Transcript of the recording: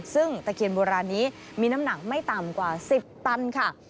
ซึ่งตะเคียนโบราณนี้มีน้ำหนักไม่ต่ำกว่า๑๐ตันค่ะ